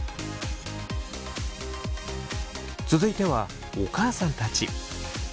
続いてはお母さんたち。